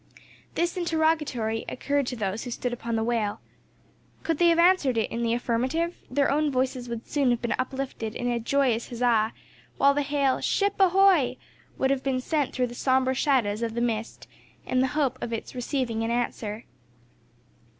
This interrogatory occurred to those who stood upon the whale. Could they have answered it in the affirmative, their own voices would soon have been uplifted in a joyous huzza; while the hail "Ship ahoy!" would have been sent through the sombre shadows of the mist, in the hope of its receiving an answer.